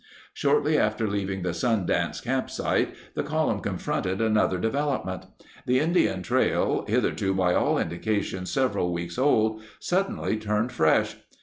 Shortly after leaving the sun dance campsite, the column confronted another development. The In dian trail, hitherto by all indications several weeks old, suddenly turned fresh.